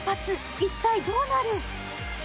一体どうなる？